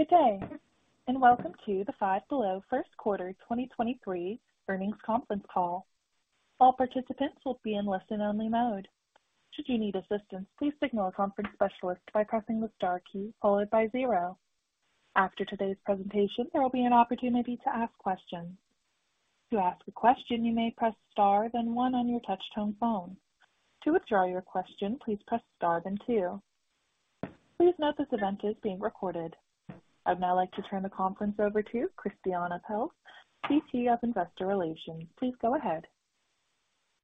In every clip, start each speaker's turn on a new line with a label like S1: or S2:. S1: Good day. Welcome to the Five Below First Quarter 2023 Earnings Conference Call. All participants will be in listen-only mode. Should you need assistance, please signal a conference specialist by pressing the star key followed by 0. After today's presentation, there will be an opportunity to ask questions. To ask a question, you may press Star, then 1 on your touchtone phone. To withdraw your question, please press Star, then 2. Please note this event is being recorded. I'd now like to turn the conference over to Christiane Pelz, VP of Investor Relations. Please go ahead.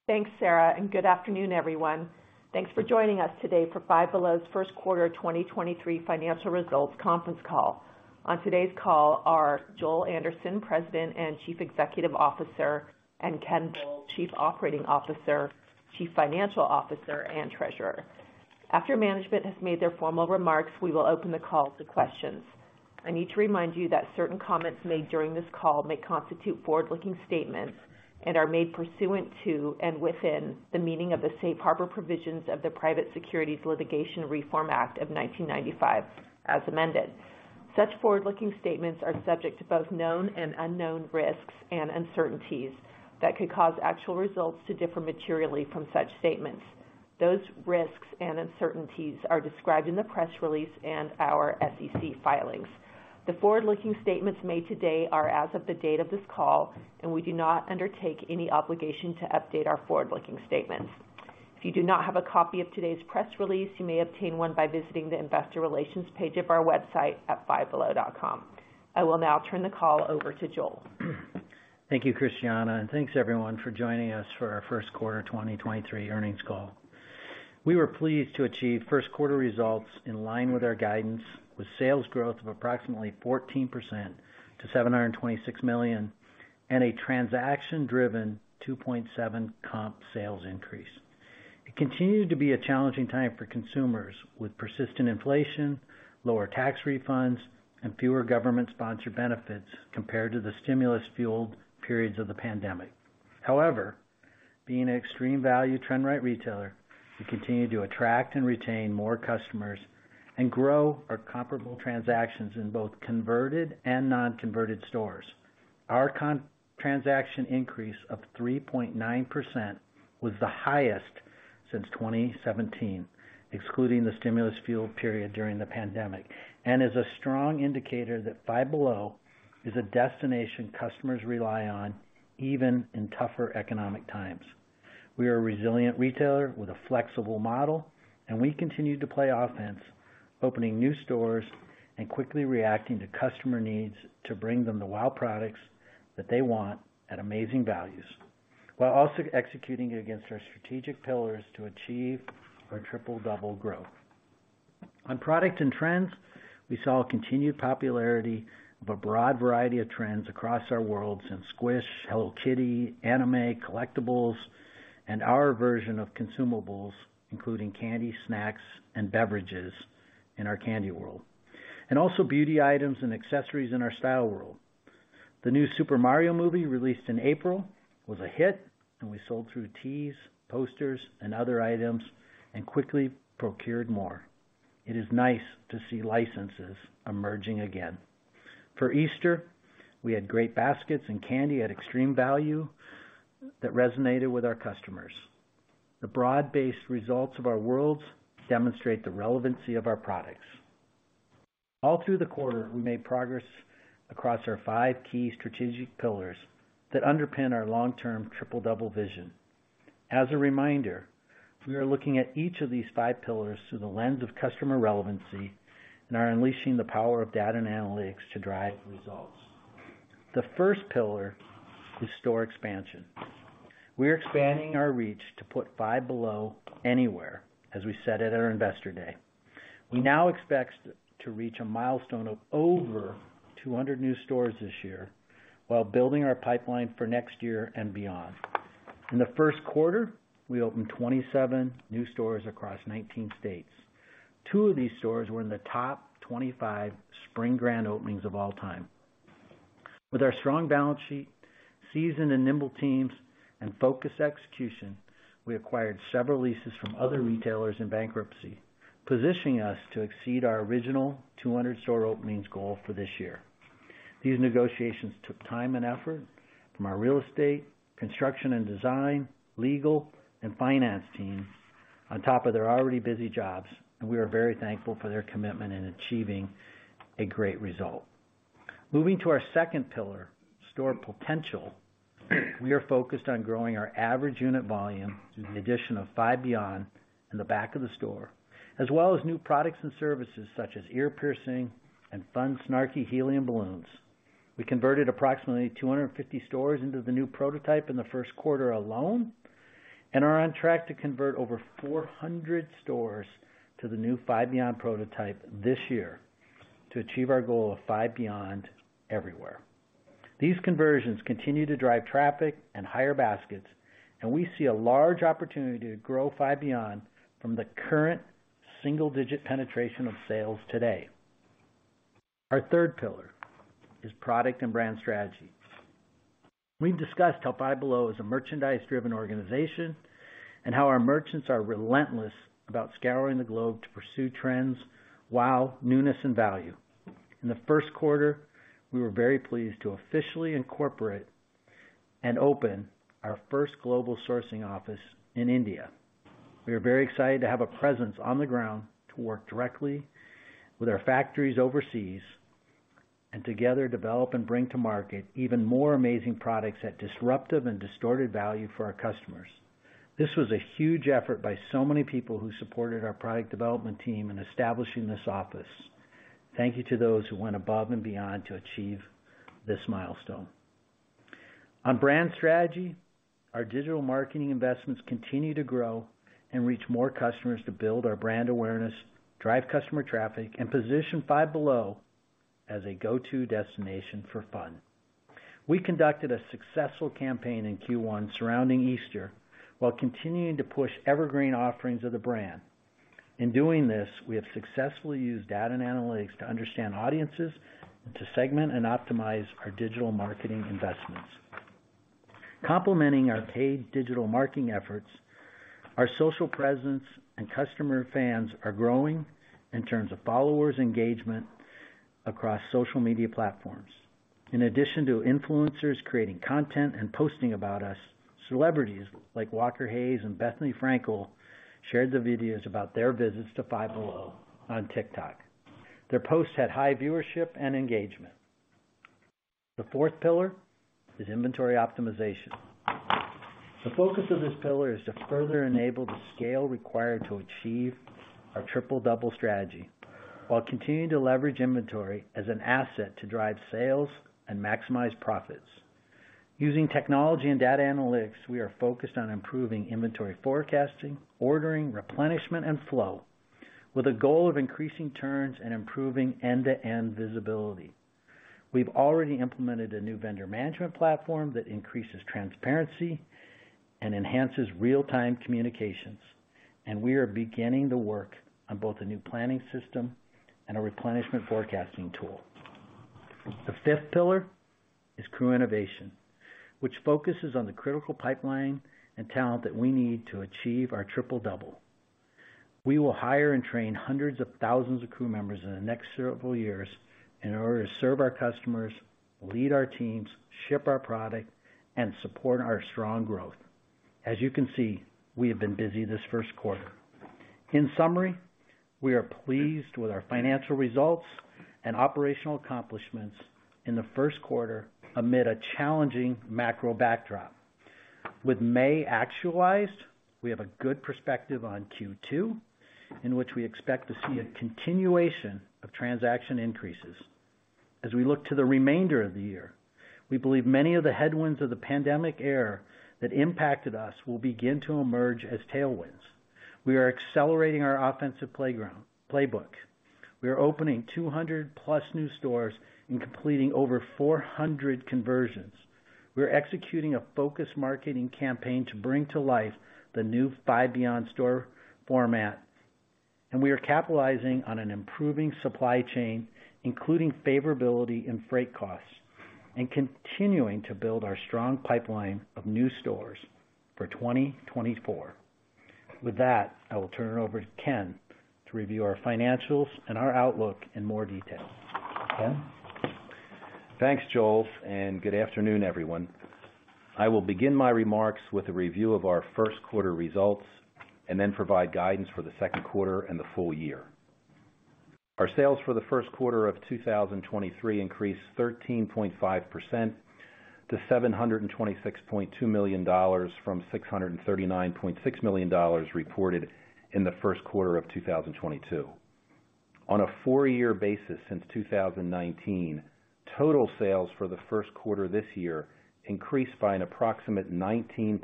S2: Thanks, Sarah, and good afternoon, everyone. Thanks for joining us today for Five Below's First Quarter 2023 Financial Results conference call. On today's call are Joel Anderson, President and Chief Executive Officer, and Ken Doll, Chief Operating Officer, Chief Financial Officer, and Treasurer. After management has made their formal remarks, we will open the call to questions. I need to remind you that certain comments made during this call may constitute forward-looking statements and are made pursuant to and within the meaning of the Safe Harbor Provisions of the Private Securities Litigation Reform Act of 1995, as amended. Such forward-looking statements are subject to both known and unknown risks and uncertainties that could cause actual results to differ materially from such statements. Those risks and uncertainties are described in the press release and our SEC filings. The forward-looking statements made today are as of the date of this call, and we do not undertake any obligation to update our forward-looking statements. If you do not have a copy of today's press release, you may obtain one by visiting the Investor Relations page of our website at fivebelow.com. I will now turn the call over to Joel.
S3: Thank you, Christiane, thanks, everyone, for joining us for our first quarter 2023 earnings call. We were pleased to achieve first quarter results in line with our guidance, with sales growth of approximately 14% to $726 million, and a transaction-driven 2.7% comp sales increase. It continued to be a challenging time for consumers, with persistent inflation, lower tax refunds, and fewer government-sponsored benefits compared to the stimulus-fueled periods of the pandemic. However, being an extreme value trend-right retailer, we continue to attract and retain more customers and grow our comparable transactions in both converted and non-converted stores. Our transaction increase of 3.9% was the highest since 2017, excluding the stimulus fuel period during the pandemic, and is a strong indicator that Five Below is a destination customers rely on even in tougher economic times. We are a resilient retailer with a flexible model, we continue to play offense, opening new stores and quickly reacting to customer needs to bring them the wow products that they want at amazing values, while also executing against our strategic pillars to achieve our Triple Double growth. On product and trends, we saw a continued popularity of a broad variety of trends across our worlds, in Squishmallows, Hello Kitty, anime, collectibles, and our version of consumables, including candy, snacks, and beverages in our candy world, and also beauty items and accessories in our style world. The new Super Mario movie, released in April, was a hit, we sold through tees, posters, and other items and quickly procured more. It is nice to see licenses emerging again. For Easter, we had great baskets and candy at extreme value that resonated with our customers. The broad-based results of our worlds demonstrate the relevancy of our products. All through the quarter, we made progress across our 5 key strategic pillars that underpin our long-term Triple Double vision. As a reminder, we are looking at each of these 5 pillars through the lens of customer relevancy and are unleashing the power of data and analytics to drive results. The first pillar is store expansion. We are expanding our reach to put Five Below anywhere, as we said at our Investor Day. We now expect to reach a milestone of over 200 new stores this year while building our pipeline for next year and beyond. In the first quarter, we opened 27 new stores across 19 states. 2 of these stores were in the top 25 spring grand openings of all time. With our strong balance sheet, seasoned and nimble teams, and focused execution, we acquired several leases from other retailers in bankruptcy, positioning us to exceed our original 200 store openings goal for this year. These negotiations took time and effort from our real estate, construction and design, legal, and finance teams on top of their already busy jobs. We are very thankful for their commitment in achieving a great result. Moving to our second pillar, store potential, we are focused on growing our average unit volume through the addition of Five Beyond in the back of the store, as well as new products and services such as ear piercing and fun, snarky helium balloons. We converted approximately 250 stores into the new prototype in the first quarter alone and are on track to convert over 400 stores to the new Five Beyond prototype this year to achieve our goal of Five Beyond everywhere. These conversions continue to drive traffic and higher baskets, and we see a large opportunity to grow Five Beyond from the current single-digit penetration of sales today. Our third pillar is product and brand strategy.... We've discussed how Five Below is a merchandise-driven organization, and how our merchants are relentless about scouring the globe to pursue trends, wow, newness, and value. In the first quarter, we were very pleased to officially incorporate and open our first global sourcing office in India. We are very excited to have a presence on the ground to work directly with our factories overseas, and together, develop and bring to market even more amazing products at disruptive and distorted value for our customers. This was a huge effort by so many people who supported our product development team in establishing this office. Thank you to those who went above and beyond to achieve this milestone. On brand strategy, our digital marketing investments continue to grow and reach more customers to build our brand awareness, drive customer traffic, and position Five Below as a go-to destination for fun. We conducted a successful campaign in Q1 surrounding Easter, while continuing to push evergreen offerings of the brand. In doing this, we have successfully used data and analytics to understand audiences, and to segment and optimize our digital marketing investments. Complementing our paid digital marketing efforts, our social presence and customer fans are growing in terms of followers engagement across social media platforms. In addition to influencers creating content and posting about us, celebrities like Walker Hayes and Bethenny Frankel shared the videos about their visits to Five Below on TikTok. Their posts had high viewership and engagement. The fourth pillar is inventory optimization. The focus of this pillar is to further enable the scale required to achieve our Triple Double strategy, while continuing to leverage inventory as an asset to drive sales and maximize profits. Using technology and data analytics, we are focused on improving inventory forecasting, ordering, replenishment, and flow, with a goal of increasing turns and improving end-to-end visibility. We've already implemented a new vendor management platform that increases transparency and enhances real-time communications. We are beginning to work on both a new planning system and a replenishment forecasting tool. The fifth pillar is crew innovation, which focuses on the critical pipeline and talent that we need to achieve our Triple Double. We will hire and train hundreds of thousands of crew members in the next several years in order to serve our customers, lead our teams, ship our product, and support our strong growth. As you can see, we have been busy this first quarter. In summary, we are pleased with our financial results and operational accomplishments in the first quarter amid a challenging macro backdrop. With May actualized, we have a good perspective on Q2, in which we expect to see a continuation of transaction increases. As we look to the remainder of the year, we believe many of the headwinds of the pandemic era that impacted us will begin to emerge as tailwinds. We are accelerating our offensive playbook. We are opening 200+ new stores and completing over 400 conversions. We're executing a focused marketing campaign to bring to life the new Five Beyond store format, and we are capitalizing on an improving supply chain, including favorability in freight costs, and continuing to build our strong pipeline of new stores for 2024. With that, I will turn it over to Ken to review our financials and our outlook in more detail. Ken?
S4: Thanks, Joel, good afternoon, everyone. I will begin my remarks with a review of our first quarter results, and then provide guidance for the second quarter and the full year. Our sales for the first quarter of 2023 increased 13.5% to $726.2 million, from $639.6 million reported in the first quarter of 2022. On a four-year basis since 2019, total sales for the first quarter this year increased by an approximate 19%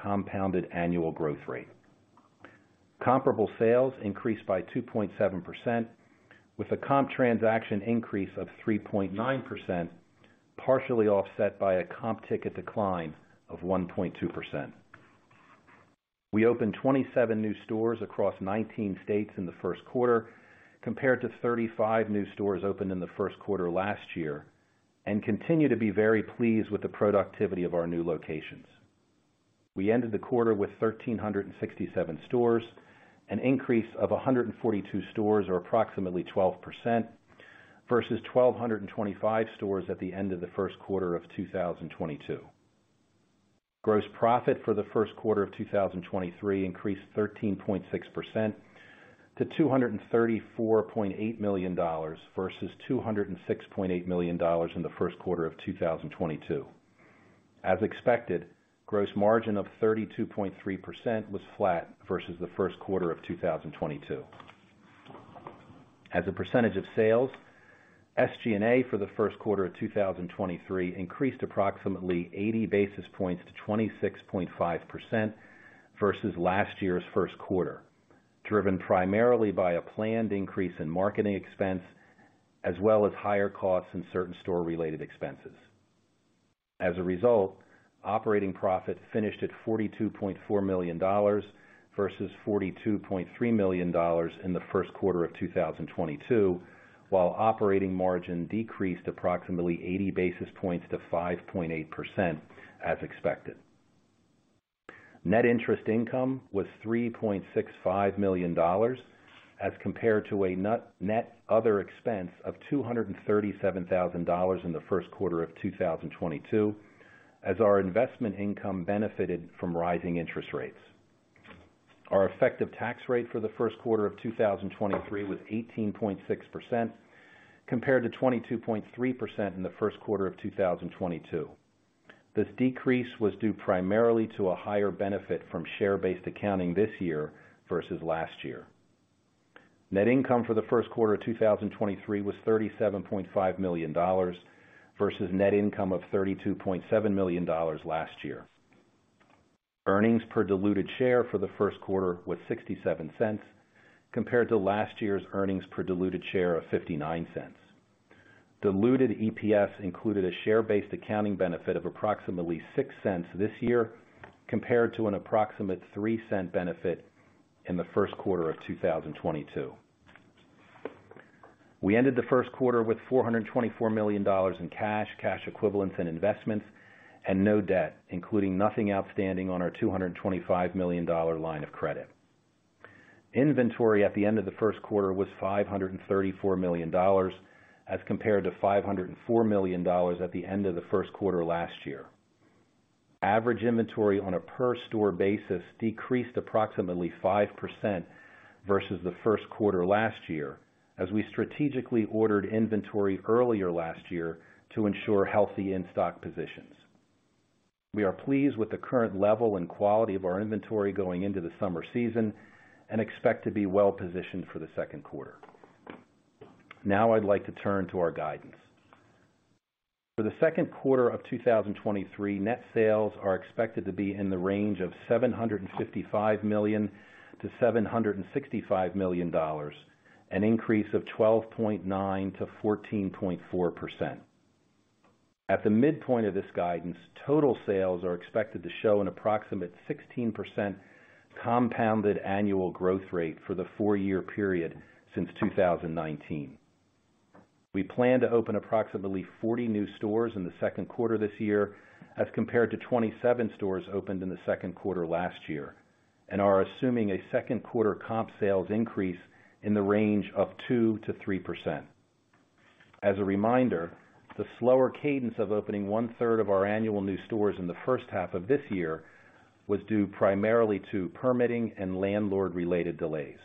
S4: compounded annual growth rate. Comparable sales increased by 2.7%, with a comp transaction increase of 3.9%, partially offset by a comp ticket decline of 1.2%. We opened 27 new stores across 19 states in the first quarter, compared to 35 new stores opened in the first quarter last year, continue to be very pleased with the productivity of our new locations. We ended the quarter with 1,367 stores, an increase of 142 stores or approximately 12%, versus 1,225 stores at the end of the first quarter of 2022. Gross profit for the first quarter of 2023 increased 13.6% to $234.8 million, versus $206.8 million in the first quarter of 2022. As expected, gross margin of 32.3% was flat versus the first quarter of 2022. As a percentage of sales, SG&A for the first quarter of 2023 increased approximately 80 basis points to 26.5% versus last year's first quarter, driven primarily by a planned increase in marketing expense, as well as higher costs and certain store-related expenses. Operating profit finished at $42.4 million, versus $42.3 million in the first quarter of 2022, while operating margin decreased approximately 80 basis points to 5.8% as expected. Net interest income was $3.65 million, as compared to a net other expense of $237,000 in the first quarter of 2022, as our investment income benefited from rising interest rates. Our effective tax rate for the first quarter of 2023 was 18.6%, compared to 22.3% in the first quarter of 2022. This decrease was due primarily to a higher benefit from share-based accounting this year versus last year. Net income for the first quarter of 2023 was $37.5 million, versus net income of $32.7 million last year. Earnings per diluted share for the first quarter was $0.67, compared to last year's earnings per diluted share of $0.59. Diluted EPS included a share-based accounting benefit of approximately $0.06 this year, compared to an approximate $0.03 benefit in the first quarter of 2022. We ended the first quarter with $424 million in cash equivalents and investments, and no debt, including nothing outstanding on our $225 million line of credit. Inventory at the end of the first quarter was $534 million, as compared to $504 million at the end of the first quarter last year. Average inventory on a per store basis decreased approximately 5% versus the first quarter last year, as we strategically ordered inventory earlier last year to ensure healthy in-stock positions. We are pleased with the current level and quality of our inventory going into the summer season and expect to be well positioned for the second quarter. I'd like to turn to our guidance. For the second quarter of 2023, net sales are expected to be in the range of $755 million-$765 million, an increase of 12.9%-14.4%. At the midpoint of this guidance, total sales are expected to show an approximate 16% compounded annual growth rate for the 4-year period since 2019. We plan to open approximately 40 new stores in the second quarter this year, as compared to 27 stores opened in the second quarter last year, and are assuming a second quarter comp sales increase in the range of 2%-3%. As a reminder, the slower cadence of opening one third of our annual new stores in the first half of this year was due primarily to permitting and landlord-related delays.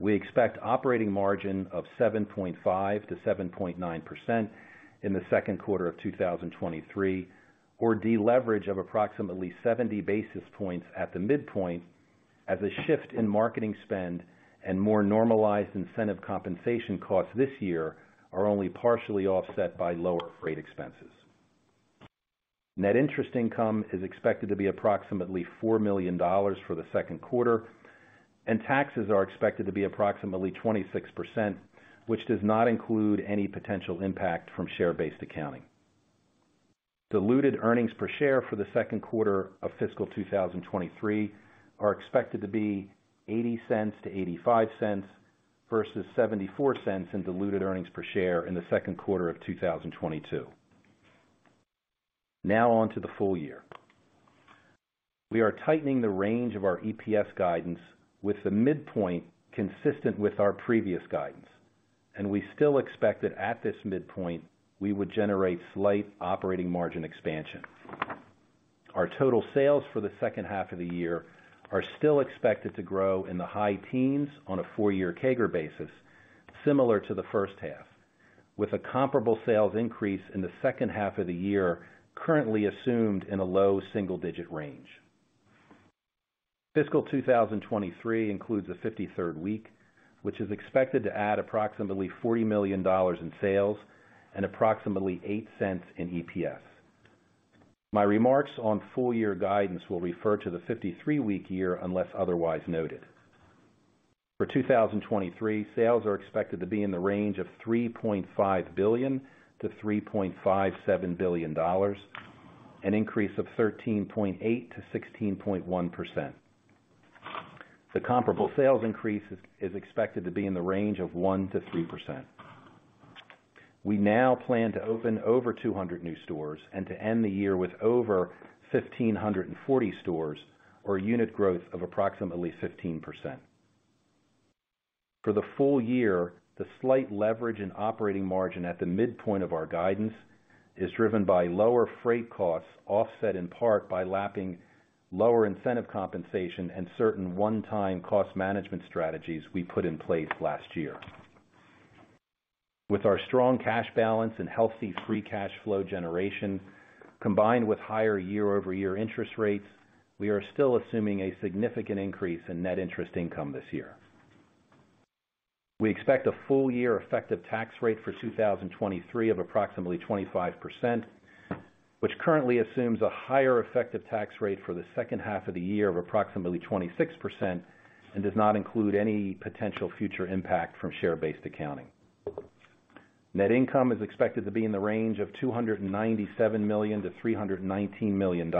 S4: We expect operating margin of 7.5%-7.9% in the second quarter of 2023, or deleverage of approximately 70 basis points at the midpoint, as a shift in marketing spend and more normalized incentive compensation costs this year are only partially offset by lower freight expenses. Net interest income is expected to be approximately $4 million for the second quarter, taxes are expected to be approximately 26%, which does not include any potential impact from share-based accounting. Diluted earnings per share for the second quarter of fiscal 2023 are expected to be $0.80-$0.85 versus $0.74 in diluted earnings per share in the second quarter of 2022. On to the full year. We are tightening the range of our EPS guidance with the midpoint consistent with our previous guidance, and we still expect that at this midpoint, we would generate slight operating margin expansion. Our total sales for the second half of the year are still expected to grow in the high teens on a four-year CAGR basis, similar to the first half, with a comparable sales increase in the second half of the year, currently assumed in a low single digit range. Fiscal 2023 includes a 53rd week, which is expected to add approximately $40 million in sales and approximately $0.08 in EPS. My remarks on full year guidance will refer to the 53-week year, unless otherwise noted. For 2023, sales are expected to be in the range of $3.5 billion-$3.57 billion, an increase of 13.8%-16.1%. The comparable sales increase is expected to be in the range of 1%-3%. We now plan to open over 200 new stores and to end the year with over 1,540 stores, or unit growth of approximately 15%. For the full year, the slight leverage in operating margin at the midpoint of our guidance is driven by lower freight costs, offset in part by lapping lower incentive compensation and certain one-time cost management strategies we put in place last year. With our strong cash balance and healthy free cash flow generation, combined with higher year-over-year interest rates, we are still assuming a significant increase in net interest income this year. We expect a full year effective tax rate for 2023 of approximately 25%, which currently assumes a higher effective tax rate for the second half of the year of approximately 26%, and does not include any potential future impact from share-based accounting. Net income is expected to be in the range of $297 million-$319 million,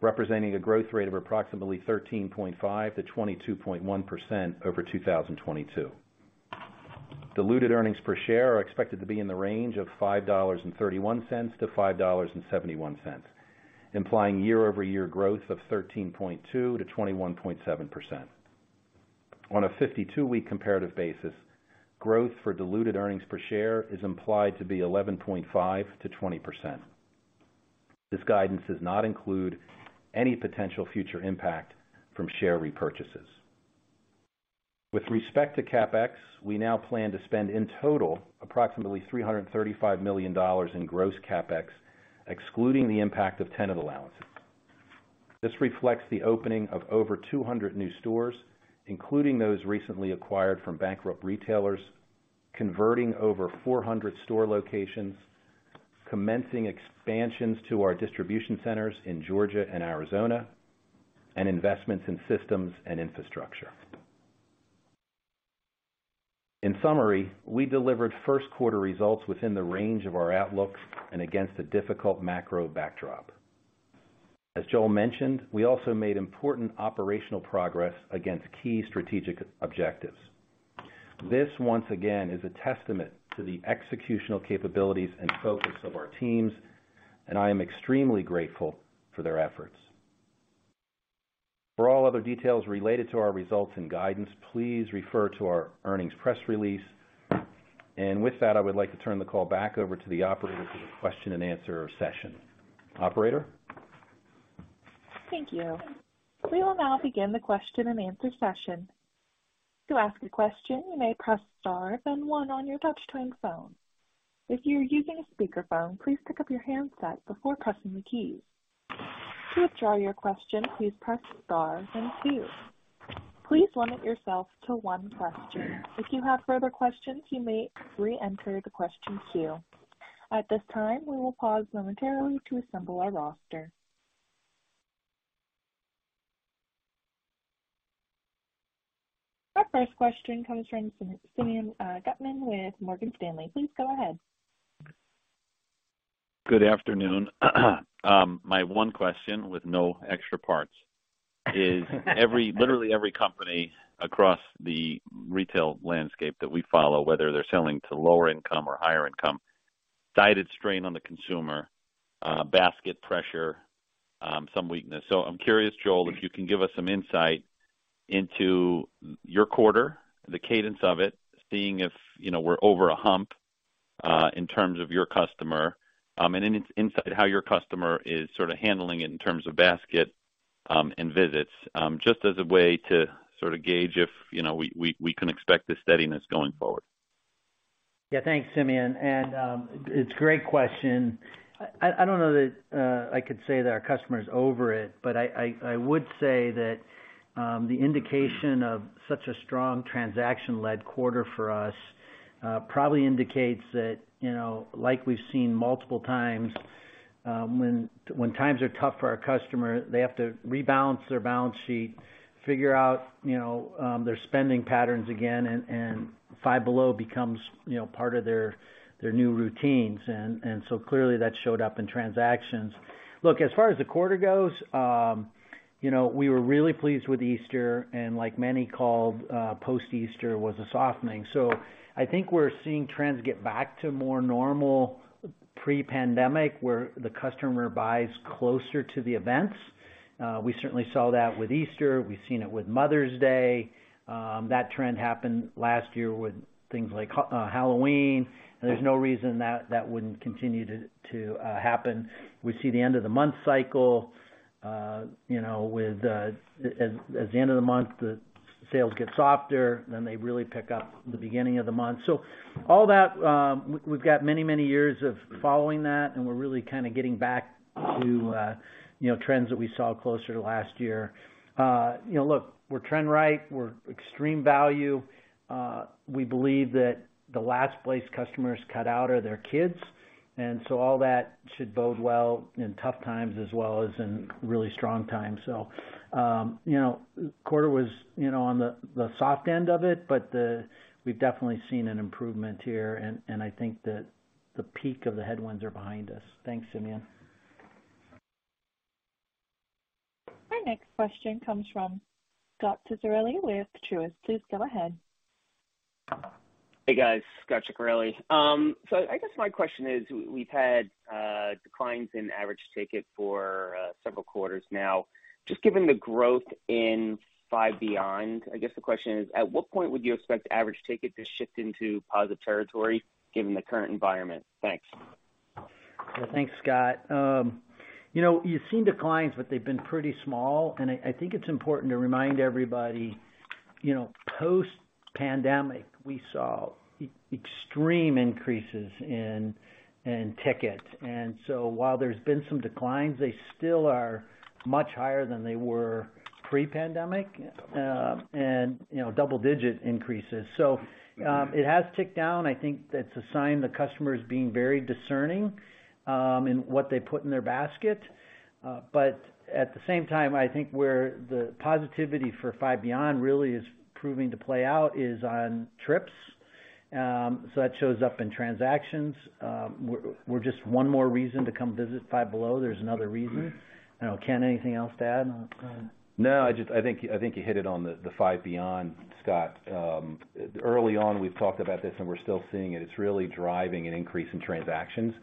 S4: representing a growth rate of approximately 13.5%-22.1% over 2022. Diluted earnings per share are expected to be in the range of $5.31-$5.71, implying year-over-year growth of 13.2%-21.7%. On a 52-week comparative basis, growth for diluted earnings per share is implied to be 11.5%-20%. This guidance does not include any potential future impact from share repurchases. With respect to CapEx, we now plan to spend, in total, approximately $335 million in gross CapEx, excluding the impact of tenant allowances. This reflects the opening of over 200 new stores, including those recently acquired from bankrupt retailers, converting over 400 store locations, commencing expansions to our distribution centers in Georgia and Arizona, and investments in systems and infrastructure. In summary, we delivered first quarter results within the range of our outlook and against a difficult macro backdrop. As Joel mentioned, we also made important operational progress against key strategic objectives. This, once again, is a testament to the executional capabilities and focus of our teams. I am extremely grateful for their efforts. For all other details related to our results and guidance, please refer to our earnings press release. With that, I would like to turn the call back over to the operator for the question and answer session. Operator?
S1: Thank you. We will now begin the question and answer session. To ask a question, you may press star, then 1 on your touchtone phone. If you are using a speakerphone, please pick up your handset before pressing the key. To withdraw your question, please press star, then 2. Please limit yourself to 1 question. If you have further questions, you may reenter the question queue. At this time, we will pause momentarily to assemble our roster. Our first question comes from Simeon Gutman with Morgan Stanley. Please go ahead.
S5: Good afternoon. My one question with no extra parts. Literally every company across the retail landscape that we follow, whether they're selling to lower income or higher income, cited strain on the consumer, basket pressure, some weakness. I'm curious, Joel, if you can give us some insight into your quarter, the cadence of it, seeing if, you know, we're over a hump in terms of your customer, and any insight how your customer is sort of handling it in terms of basket, and visits, just as a way to sort of gauge if, you know, we can expect this steadiness going forward.
S3: Thanks, Simeon, it's a great question. I don't know that I could say that our customer is over it, but I would say that the indication of such a strong transaction-led quarter for us probably indicates that, you know, like we've seen multiple times, when times are tough for our customer, they have to rebalance their balance sheet, figure out, you know, their spending patterns again, Five Below becomes, you know, part of their new routines. So clearly that showed up in transactions. Look, as far as the quarter goes, you know, we were really pleased with Easter, and like many called, post-Easter was a softening. I think we're seeing trends get back to more normal pre-pandemic, where the customer buys closer to the events. We certainly saw that with Easter. We've seen it with Mother's Day. That trend happened last year with things like Halloween. There's no reason that wouldn't continue to happen. We see the end of the month cycle, you know, with... as the end of the month, the sales get softer, then they really pick up the beginning of the month. All that, we've got many, many years of following that. We're really kind of getting back to, you know, trends that we saw closer to last year. You know, look, we're trend right, we're extreme value. We believe that the last place customers cut out are their kids. All that should bode well in tough times as well as in really strong times. You know, quarter was, you know, on the soft end of it, but we've definitely seen an improvement here, and I think that the peak of the headwinds are behind us. Thanks, Simeon.
S1: Our next question comes from Scot Ciccarelli with Truist. Please go ahead.
S6: Hey, guys, Scot Ciccarelli. I guess my question is, we've had declines in average ticket for several quarters now. Just given the growth in Five Beyond, I guess the question is, at what point would you expect average ticket to shift into positive territory given the current environment? Thanks.
S3: Well, thanks, Scott. You know, you've seen declines, but they've been pretty small, and I think it's important to remind everybody, you know, post-pandemic, we saw extreme increases in ticket. While there's been some declines, they still are much higher than they were pre-pandemic, and, you know, double-digit increases. It has ticked down. I think that's a sign the customer is being very discerning in what they put in their basket. At the same time, I think where the positivity for Five Beyond really is proving to play out is on trips.... That shows up in transactions. We're just one more reason to come visit Five Below. There's another reason. I don't know, Ken, anything else to add?
S4: I think you hit it on the Five Beyond, Scot. Early on, we've talked about this, we're still seeing it. It's really driving an increase in transactions.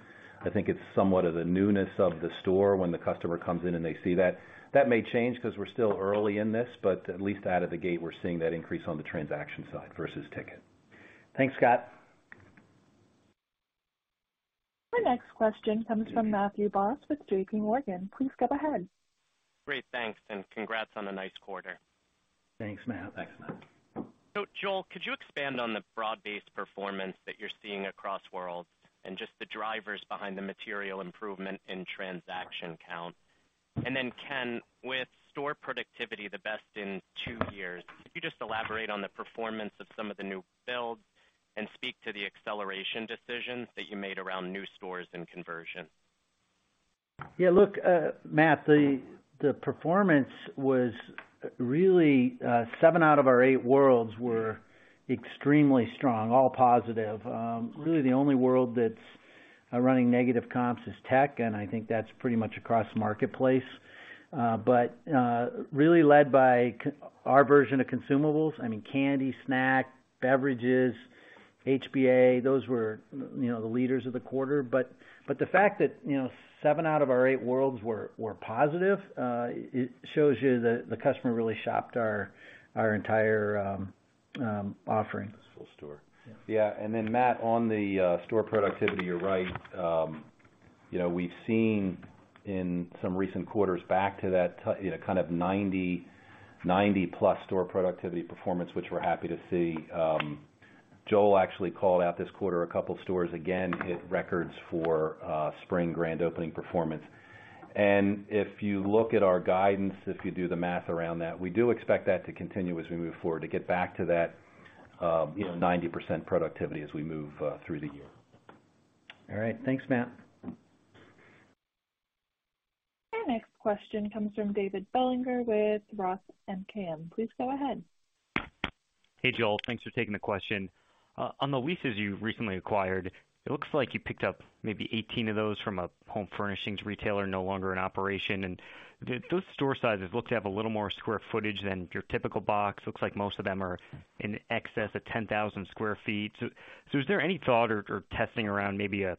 S4: I think it's somewhat of the newness of the store when the customer comes in and they see that. That may change because we're still early in this, but at least out of the gate, we're seeing that increase on the transaction side versus ticket.
S3: Thanks, Scott.
S1: Our next question comes from Matthew Boss with J.P. Morgan. Please go ahead.
S7: Great, thanks, and congrats on a nice quarter.
S3: Thanks, Matt.
S4: Thanks, Matt.
S7: Joel, could you expand on the broad-based performance that you're seeing across worlds and just the drivers behind the material improvement in transaction count? Ken, with store productivity the best in two years, could you just elaborate on the performance of some of the new builds and speak to the acceleration decisions that you made around new stores and conversion?
S3: Matt, the performance was really 7 out of our 8 worlds were extremely strong, all positive. Really, the only world that's running negative comps is tech, and I think that's pretty much across the marketplace. Really led by our version of consumables, I mean, candy, snack, beverages, HBA, those were, you know, the leaders of the quarter. The fact that, you know, 7 out of our 8 worlds were positive, it shows you that the customer really shopped our entire offering.
S4: Full store. Yeah, Matt, on the store productivity, you're right. You know, we've seen in some recent quarters back to that you know, kind of 90-plus store productivity performance, which we're happy to see. Joel actually called out this quarter, a couple stores, again, hit records for spring grand opening performance. If you look at our guidance, if you do the math around that, we do expect that to continue as we move forward to get back to that, you know, 90% productivity as we move through the year.
S3: All right. Thanks, Matt.
S1: Our next question comes from David Bellinger with Roth MKM. Please go ahead.
S8: Hey, Joel. Thanks for taking the question. On the leases you recently acquired, it looks like you picked up maybe 18 of those from a home furnishings retailer, no longer in operation. Those store sizes look to have a little more square footage than your typical box. Looks like most of them are in excess of 10,000 sq ft. Is there any thought or testing around maybe a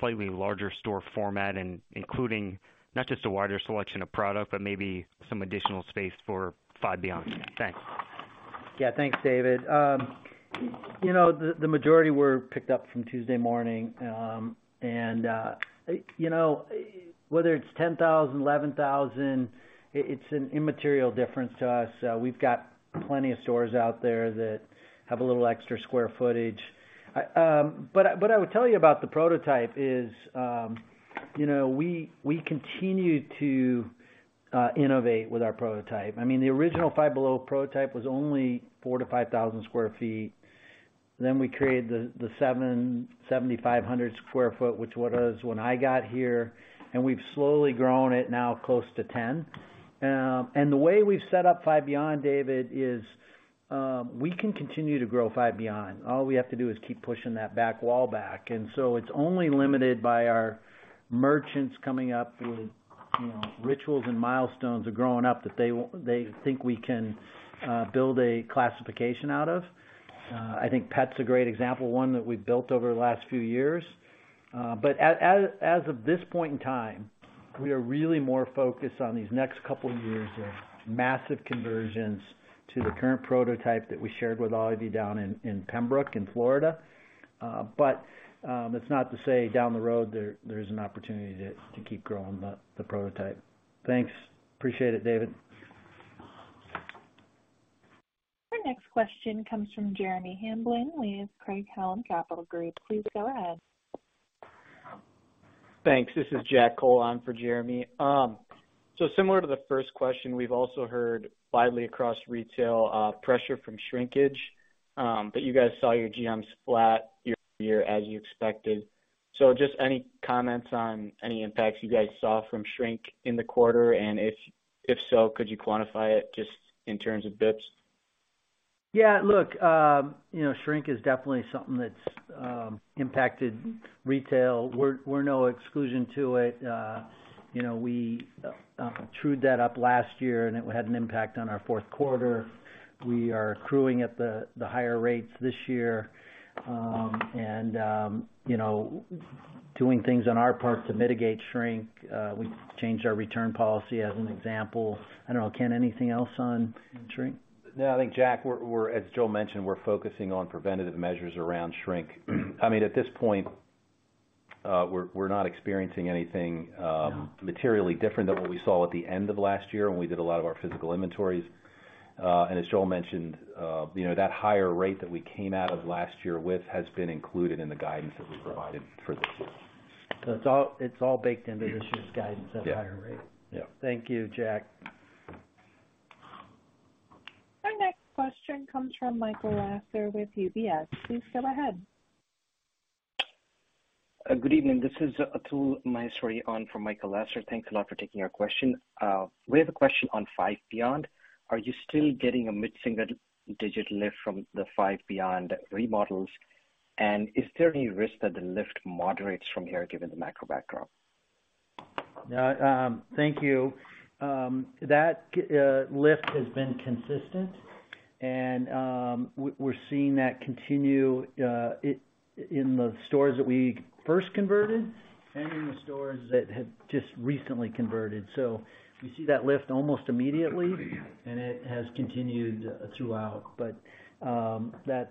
S8: slightly larger store format and including not just a wider selection of product, but maybe some additional space for Five Beyond? Thanks.
S3: Yeah, thanks, David. You know, the majority were picked up from Tuesday Morning. You know, whether it's 10,000, 11,000, it's an immaterial difference to us. We've got plenty of stores out there that have a little extra square footage. What I would tell you about the prototype is, you know, we continue to innovate with our prototype. I mean, the original Five Below prototype was only 4,000-5,000 sq ft. We created the 7,500 sq ft, which what it is when I got here, and we've slowly grown it now close to 10. The way we've set up Five Beyond, David, is, we can continue to grow Five Beyond. All we have to do is keep pushing that back wall back. It's only limited by our merchants coming up with, you know, rituals and milestones of growing up that they think we can build a classification out of. I think pet's a great example, one that we've built over the last few years. As of this point in time, we are really more focused on these next couple of years of massive conversions to the current prototype that we shared with all of you down in Pembroke, in Florida. It's not to say down the road there's an opportunity to keep growing the prototype. Thanks. Appreciate it, David.
S1: Our next question comes from Jeremy Hamblin, with Craig-Hallum Capital Group. Please go ahead.
S9: Thanks. This is Jack Cole on for Jeremy. Similar to the first question, we've also heard widely across retail, pressure from shrinkage. You guys saw your GMs flat year-over-year, as you expected. Just any comments on any impacts you guys saw from shrink in the quarter? If so, could you quantify it just in terms of basis points?
S3: Yeah, look, you know, shrink is definitely something that's impacted retail. We're no exclusion to it. You know, we trued that up last year, and it had an impact on our fourth quarter. We are accruing at the higher rates this year, and you know, doing things on our part to mitigate shrink. We changed our return policy as an example. I don't know, Ken, anything else on shrink?
S4: No, I think, Jack Cole, as Joel Anderson mentioned, we're focusing on preventative measures around shrink. I mean, at this point, we're not experiencing anything materially different than what we saw at the end of last year when we did a lot of our physical inventories. As Joel Anderson mentioned, you know, that higher rate that we came out of last year with has been included in the guidance that we provided for this year.
S3: It's all baked into this year's guidance, that higher rate.
S9: Yeah.
S3: Thank you, Jack.
S1: Our next question comes from Michael Lassner with UBS. Please go ahead.
S10: Good evening. This is Atul Maheswari on from Michael Lassner. Thanks a lot for taking our question. We have a question on Five Beyond. Are you still getting a mid-single digit lift from the Five Beyond remodels? Is there any risk that the lift moderates from here, given the macro background?
S3: Yeah, thank you. That lift has been consistent, and we're seeing that continue in the stores that we first converted and in the stores that have just recently converted. We see that lift almost immediately, and it has continued throughout. That's,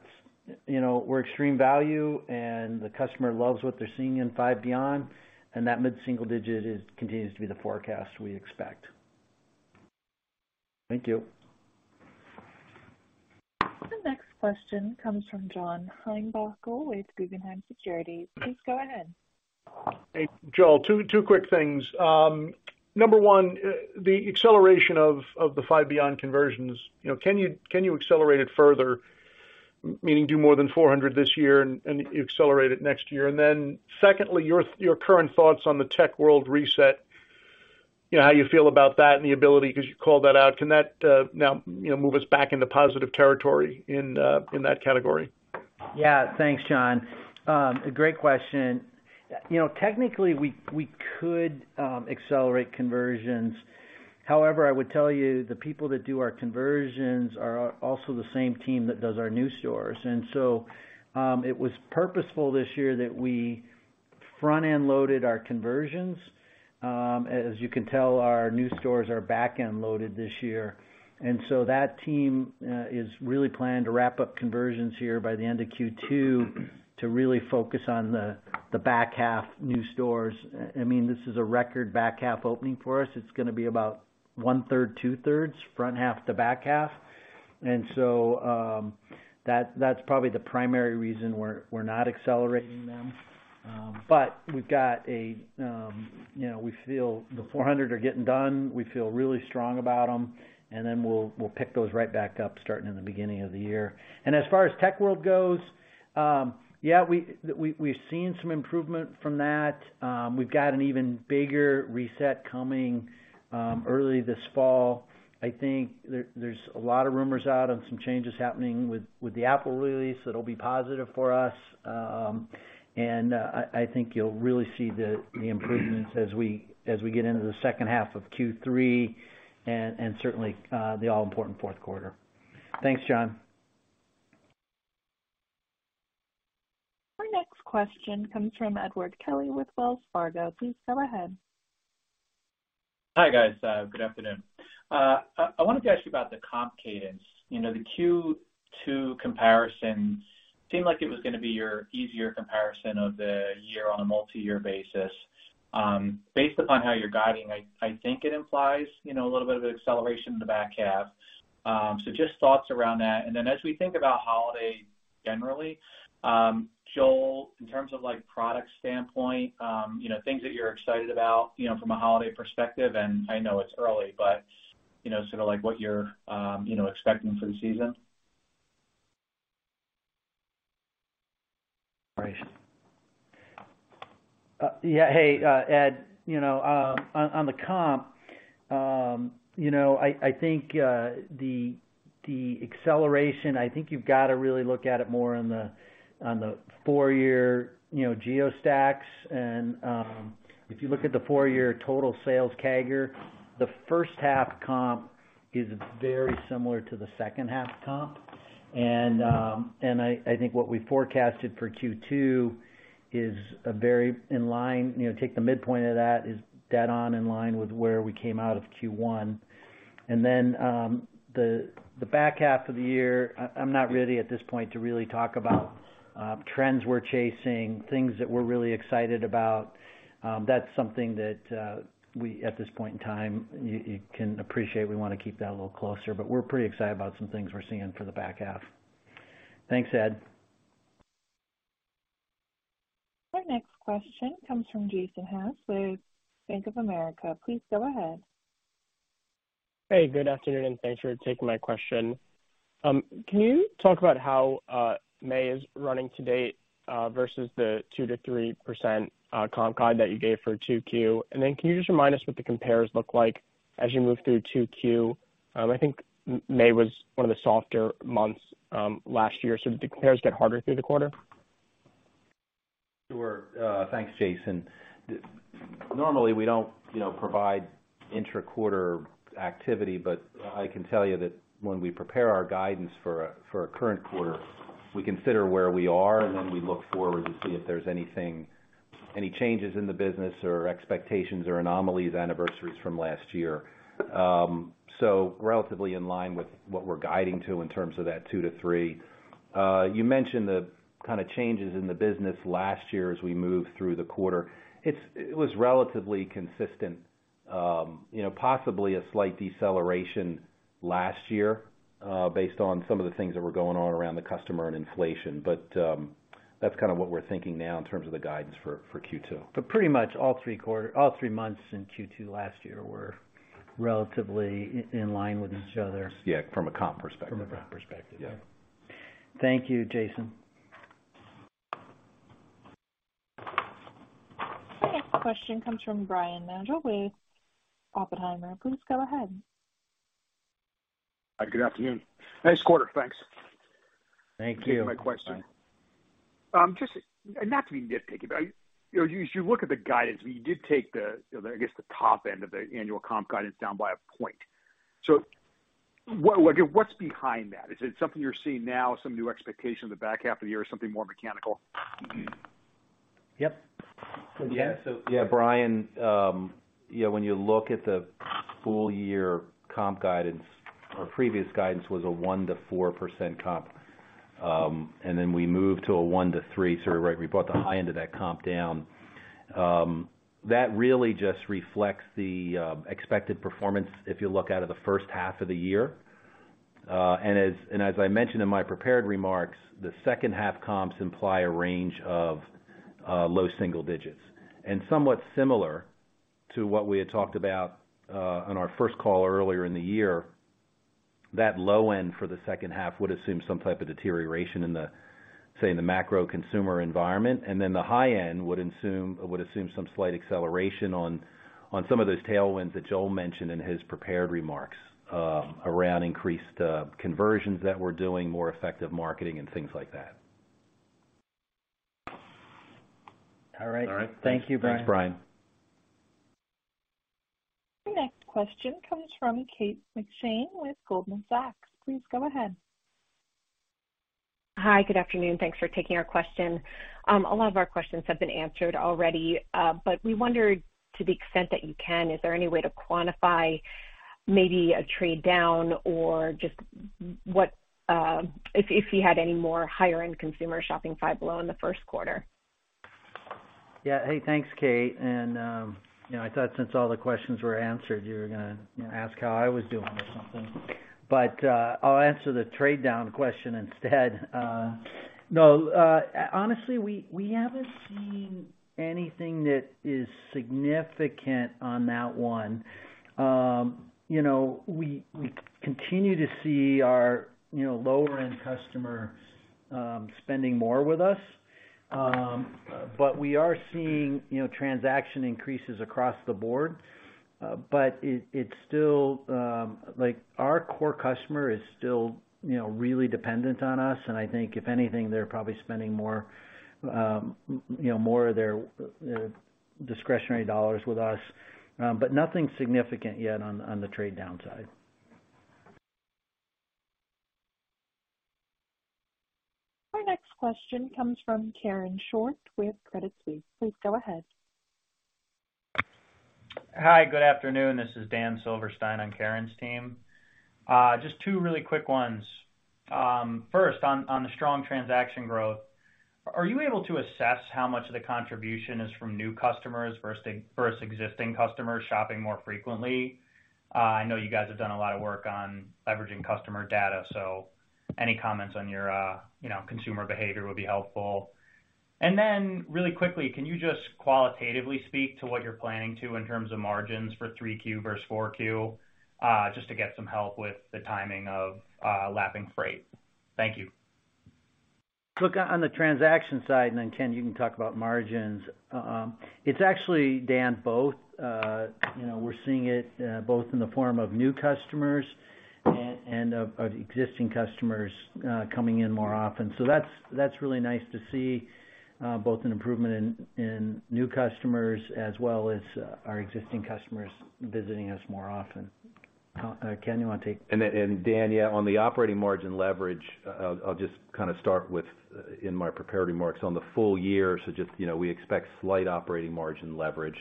S3: you know, we're extreme value, and the customer loves what they're seeing in Five Beyond, and that mid-single digit continues to be the forecast we expect.
S10: Thank you.
S1: The next question comes from John Heinbockel with Guggenheim Securities. Please go ahead.
S11: Hey, Joel, two quick things. Number one, the acceleration of the Five Beyond conversions, you know, can you accelerate it further, meaning do more than 400 this year and you accelerate it next year? Secondly, your current thoughts on the tech world reset, you know, how you feel about that and the ability, because you called that out, can that now, you know, move us back into positive territory in that category?
S3: Yeah, thanks, John. A great question. You know, technically, we could accelerate conversions. However, I would tell you, the people that do our conversions are also the same team that does our new stores. It was purposeful this year that we front-end loaded our conversions. As you can tell, our new stores are back-end loaded this year. That team is really planning to wrap up conversions here by the end of Q2 to really focus on the back half new stores. I mean, this is a record back half opening for us. It's going to be about 1/3, 2/3, front half to back half. That's probably the primary reason we're not accelerating them. But we've got a, you know, we feel the 400 are getting done. We feel really strong about them, then we'll pick those right back up, starting in the beginning of the year. As far as tech world goes, yeah, we've seen some improvement from that. We've got an even bigger reset coming early this fall. I think there's a lot of rumors out on some changes happening with the Apple release. It'll be positive for us. I think you'll really see the improvements as we get into the second half of Q3 and certainly the all-important fourth quarter. Thanks, John.
S1: Our next question comes from Edward Kelly with Wells Fargo. Please go ahead.
S12: Hi, guys, good afternoon. I wanted to ask you about the comp cadence. You know, the Q2 comparisons seemed like it was gonna be your easier comparison of the year on a multi-year basis. Based upon how you're guiding, I think it implies, you know, a little bit of an acceleration in the back half. Just thoughts around that. As we think about holiday generally, Joel, in terms of, like, product standpoint, you know, things that you're excited about, you know, from a holiday perspective, and I know it's early, but, you know, sort of like what you're, you know, expecting for the season.
S3: Right. Yeah, hey, Ed, you know, on the comp, you know, I think, the acceleration, I think you've got to really look at it more on the, on the four-year, you know, geo stacks. If you look at the four-year total sales CAGR, the first half comp is very similar to the second half comp. I think what we forecasted for Q2 is a very in line, you know, take the midpoint of that, is dead on in line with where we came out of Q1. The, the back half of the year, I'm not ready at this point to really talk about trends we're chasing, things that we're really excited about. That's something that, we, at this point in time, you can appreciate. We wanna keep that a little closer, but we're pretty excited about some things we're seeing for the back half. Thanks, Ed.
S1: Our next question comes from Jason Haas with Bank of America. Please go ahead.
S13: Hey, good afternoon, thanks for taking my question. Can you talk about how May is running to date versus the 2%-3% comp guide that you gave for 2Q? Can you just remind us what the compares look like as you move through 2Q? I think May was one of the softer months last year, did the compares get harder through the quarter?
S3: Sure. Thanks, Jason. Normally, we don't, you know, provide intra-quarter activity, but I can tell you that when we prepare our guidance for a current quarter, we consider where we are, and then we look forward to see if there's anything, any changes in the business or expectations or anomalies, anniversaries from last year. Relatively in line with what we're guiding to in terms of that 2%-3%. You mentioned the kind of changes in the business last year as we moved through the quarter. It was relatively consistent, you know, possibly a slight deceleration last year, based on some of the things that were going on around the customer and inflation. That's kind of what we're thinking now in terms of the guidance for Q2.
S11: pretty much all three months in Q2 last year were relatively in line with each other.
S3: Yeah, from a comp perspective.
S11: From a comp perspective.
S3: Yeah. Thank you, Jason.
S1: The next question comes from Brian Nagel with Oppenheimer. Please go ahead.
S14: Hi, good afternoon. Nice quarter, thanks.
S3: Thank you.
S14: My question. Just, not to be nitpicky, but, you know, you, as you look at the guidance, you did take the, I guess, the top end of the annual comp guidance down by 1 point. What, what's behind that? Is it something you're seeing now, some new expectation in the back half of the year, or something more mechanical?
S3: Yep. Yeah.
S4: Yeah, Brian, you know, when you look at the full year comp guidance, our previous guidance was a 1%-4% comp, and then we moved to a 1%-3%. Right, we brought the high end of that comp down. That really just reflects the expected performance if you look out of the first half of the year. And as I mentioned in my prepared remarks, the second half comps imply a range of low single digits. Somewhat similar to what we had talked about on our first call earlier in the year, that low end for the second half would assume some type of deterioration in the, say, in the macro consumer environment. The high end would assume some slight acceleration on some of those tailwinds that Joel mentioned in his prepared remarks, around increased conversions that we're doing, more effective marketing and things like that.
S3: All right.
S4: All right.
S3: Thank you, Brian.
S4: Thanks, Brian.
S1: The next question comes from Kate McShane with Goldman Sachs. Please go ahead.
S15: Hi, good afternoon. Thanks for taking our question. A lot of our questions have been answered already, but we wondered, to the extent that you can, is there any way to quantify maybe a trade down or just what, if you had any more higher-end consumer shopping Five Below in the first quarter?
S3: Yeah. Hey, thanks, Kate. You know, I thought since all the questions were answered, you were gonna, you know, ask how I was doing or something. I'll answer the trade down question instead. No, honestly, we haven't seen anything that is significant on that one. You know, we continue to see our, you know, lower-end customer, spending more with us. But we are seeing, you know, transaction increases across the board. But it's still, like, our core customer is still, you know, really dependent on us, and I think if anything, they're probably spending more, you know, more of their discretionary dollars with us. But nothing significant yet on the trade down side.
S1: Our next question comes from Karen Short with Credit Suisse. Please go ahead.
S16: Hi, good afternoon. This is Dan Silverstein on Karen's team. Just two really quick ones. First, on the strong transaction growth, are you able to assess how much of the contribution is from new customers versus existing customers shopping more frequently? I know you guys have done a lot of work on leveraging customer data, so any comments on your, you know, consumer behavior would be helpful. Then really quickly, can you just qualitatively speak to what you're planning to in terms of margins for 3Q versus 4Q, just to get some help with the timing of lapping freight? Thank you.
S3: On the transaction side, then, Ken, you can talk about margins. It's actually, Dan, both. You know, we're seeing it both in the form of new customers and of existing customers coming in more often. That's really nice to see, both an improvement in new customers as well as our existing customers visiting us more often. Ken, you want to take.
S4: Dan, yeah, on the operating margin leverage, just kind of start with, in my prepared remarks on the full year. Just, you know, we expect slight operating margin leverage.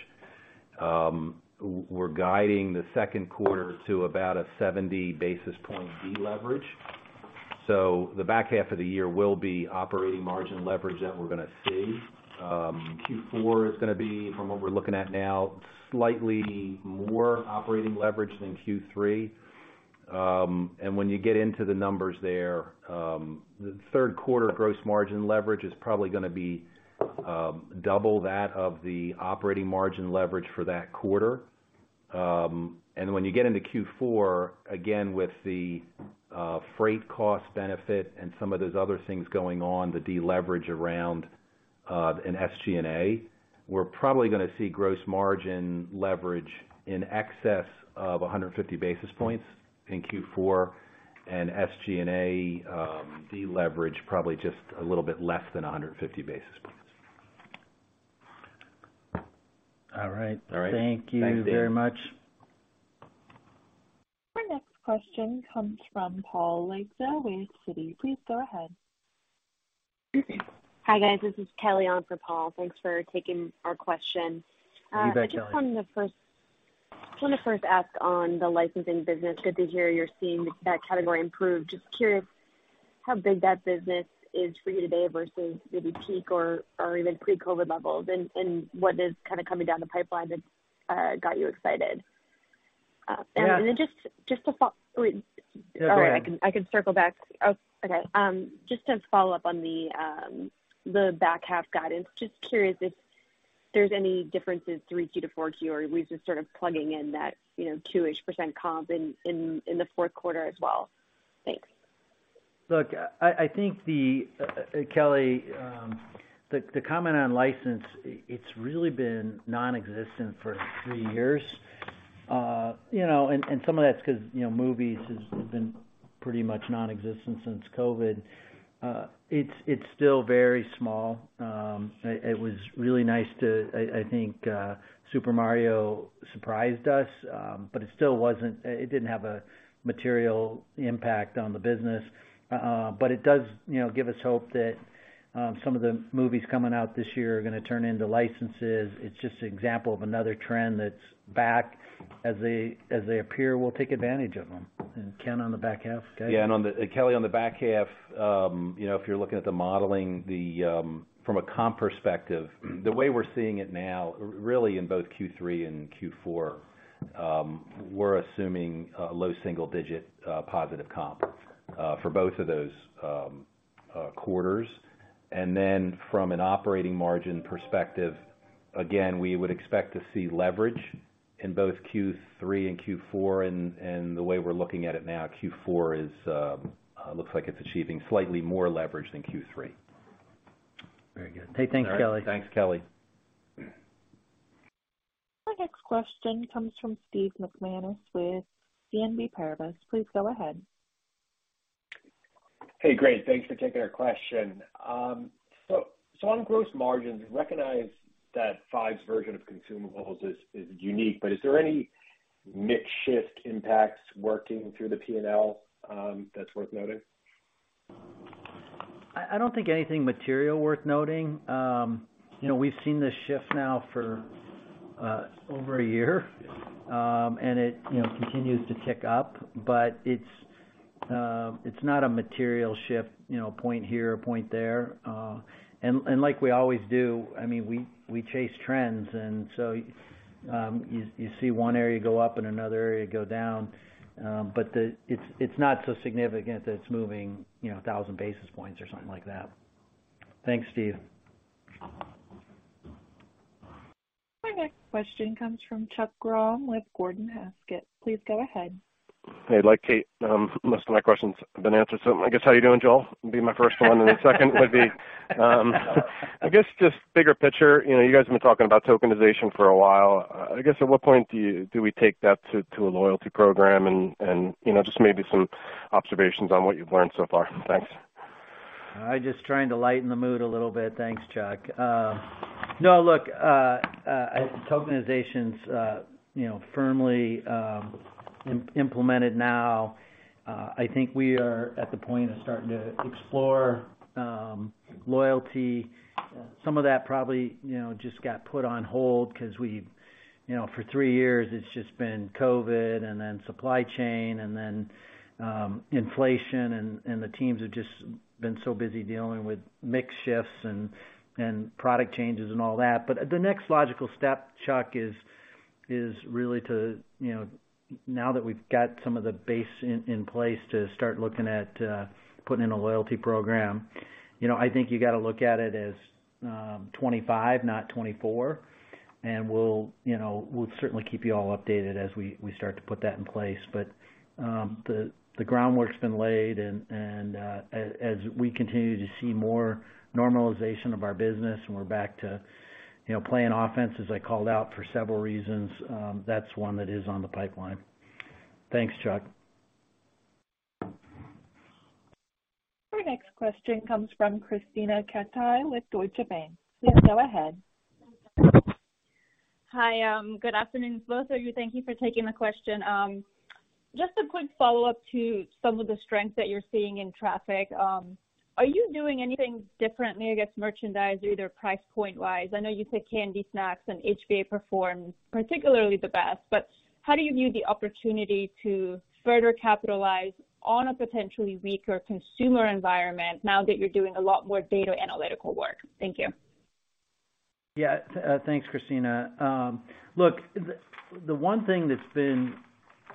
S4: We're guiding the second quarter to about a 70 basis point deleverage. The back half of the year will be operating margin leverage that we're gonna see. Q4 is gonna be, from what we're looking at now, slightly more operating leverage than Q3. And when you get into the numbers there, the third quarter gross margin leverage is probably gonna be double that of the operating margin leverage for that quarter. When you get into Q4, again, with the freight cost benefit and some of those other things going on, the deleverage around in SG&A, we're probably gonna see gross margin leverage in excess of 150 basis points in Q4 and SG&A deleverage, probably just a little bit less than 150 basis points.
S3: All right.
S4: All right.
S3: Thank you very much.
S4: Thanks, Dan.
S1: Our next question comes from Paul Lejuez with Citi. Please go ahead.
S17: Hi, guys. This is Kelly on for Paul. Thanks for taking our question.
S4: You bet, Kelly.
S17: I just wanted to first ask on the licensing business. Good to hear you're seeing that category improve. Just curious how big that business is for you today versus maybe peak or even pre-COVID levels, and what is kind of coming down the pipeline that got you excited?
S3: Yeah-
S17: Just to follow... Wait.
S3: Go ahead.
S17: All right. I can circle back. Okay. Just to follow up on the back half guidance, just curious if....
S18: there's any differences 3Q to 4Q, or are we just sort of plugging in that, you know, 2-ish% comp in, in the fourth quarter as well? Thanks.
S3: Look, I think the Kelly, the comment on license, it's really been nonexistent for three years. you know, and some of that's 'cause, you know, movies has been pretty much nonexistent since COVID. it's still very small. it was really nice, I think Super Mario surprised us, but it still didn't have a material impact on the business. it does, you know, give us hope that some of the movies coming out this year are gonna turn into licenses. It's just an example of another trend that's back. As they appear, we'll take advantage of them. Ken, on the back half?
S4: Yeah, Kelly, on the back half, if you're looking at the modeling, the from a comp perspective, the way we're seeing it now, really in both Q3 and Q4, we're assuming a low single digit positive comp for both of those quarters. From an operating margin perspective, again, we would expect to see leverage in both Q3 and Q4, and the way we're looking at it now, Q4 looks like it's achieving slightly more leverage than Q3.
S3: Very good. Hey, thanks, Kelly.
S4: Thanks, Kelly.
S1: Our next question comes from Steve McManus with BNP Paribas. Please go ahead.
S19: Hey, great. Thanks for taking our question. On gross margins, recognize that Five's version of consumables is unique, but is there any mix shift impacts working through the P&L, that's worth noting?
S3: I don't think anything material worth noting. You know, we've seen this shift now for over a year, and it, you know, continues to tick up. It's not a material shift, you know, a point here, a point there. Like we always do, I mean, we chase trends, you see one area go up and another area go down. It's not so significant that it's moving, you know, 1,000 basis points or something like that. Thanks, Steve.
S1: My next question comes from Chuck Grom with Gordon Haskett. Please go ahead.
S20: Hey, like Kate, most of my questions have been answered, so I guess, how you doing, Joel? Be my first one, and the second would be, I guess, just bigger picture, you know, you guys have been talking about tokenization for a while. I guess, at what point do we take that to a loyalty program and, you know, just maybe some observations on what you've learned so far? Thanks.
S3: I just trying to lighten the mood a little bit. Thanks, Chuck. No, look, tokenization's, you know, firmly, implemented now. I think we are at the point of starting to explore, loyalty. Some of that probably, you know, just got put on hold because we, you know, for 3 years it's just been COVID, and then supply chain, and then, inflation, and the teams have just been so busy dealing with mix shifts and product changes and all that. The next logical step, Chuck, is really to, you know, now that we've got some of the base in place, to start looking at, putting in a loyalty program. You know, I think you gotta look at it as, 25, not 24. We'll, you know, we'll certainly keep you all updated as we start to put that in place. The groundwork's been laid, and as we continue to see more normalization of our business and we're back to, you know, playing offense, as I called out for several reasons, that's one that is on the pipeline. Thanks, Chuck.
S1: Our next question comes from Krisztina Katai with Deutsche Bank. Please go ahead.
S18: Hi, good afternoon to both of you. Thank you for taking the question. Just a quick follow-up to some of the strengths that you're seeing in traffic. Are you doing anything differently against merchandise or either price point-wise? I know you said candy, snacks, and HBA performs particularly the best, but how do you view the opportunity to further capitalize on a potentially weaker consumer environment now that you're doing a lot more data analytical work? Thank you.
S3: Thanks, Krisztina. Look, the one thing that's been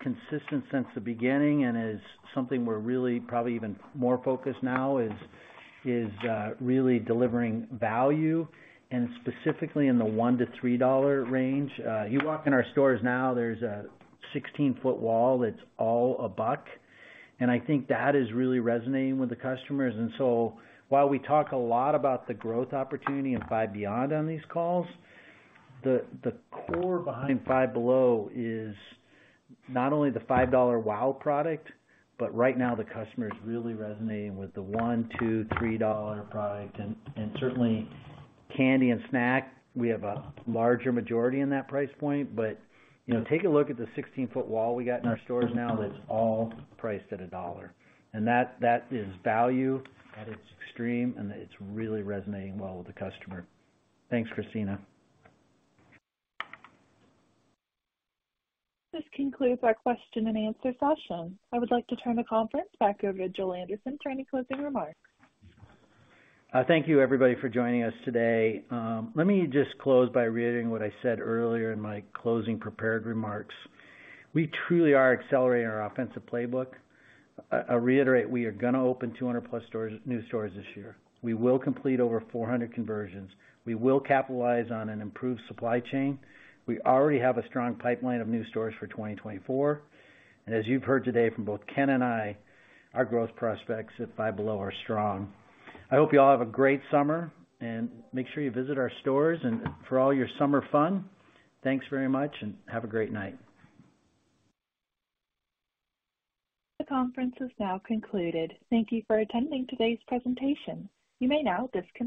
S3: consistent since the beginning, and is something we're really probably even more focused now, is really delivering value, and specifically in the $1-$3 range. You walk in our stores now, there's a 16-foot wall that's all a buck, and I think that is really resonating with the customers. While we talk a lot about the growth opportunity in Five Beyond on these calls, the core behind Five Below is not only the $5 wow product, but right now the customer is really resonating with the $1, $2, $3 product. Certainly candy and snack, we have a larger majority in that price point. You know, take a look at the 16-foot wall we got in our stores now, that's all priced at $1. That is value at its extreme, and it's really resonating well with the customer. Thanks, Christina.
S1: This concludes our question and answer session. I would like to turn the conference back over to Joel Anderson for any closing remarks.
S3: Thank you, everybody, for joining us today. Let me just close by reiterating what I said earlier in my closing prepared remarks. We truly are accelerating our offensive playbook. I reiterate, we are gonna open 200+ stores, new stores this year. We will complete over 400 conversions. We will capitalize on an improved supply chain. We already have a strong pipeline of new stores for 2024, as you've heard today from both Ken and I, our growth prospects at Five Below are strong. I hope you all have a great summer, make sure you visit our stores and for all your summer fun. Thanks very much and have a great night.
S1: The conference is now concluded. Thank you for attending today's presentation. You may now disconnect.